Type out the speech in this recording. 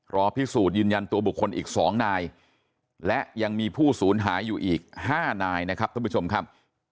รอพิสูจน์ยืนยันตัวบุคคลอีก๒นายและยังมีผู้สูญหายอยู่อีก๕นายนะครับท่านผู้ชมครับ